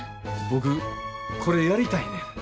僕これやりたいねん。